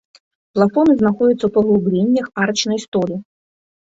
Плафоны знаходзяцца ў паглыбленнях арачнай столі.